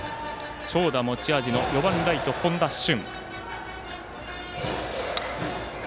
長打が持ち味の４番ライト、本多駿。